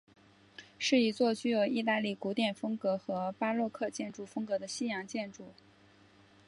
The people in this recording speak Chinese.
是一座具有意大利古典风格和巴洛克建筑风格的西洋建筑。